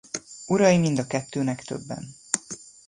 Urai mind a kettőnek többen.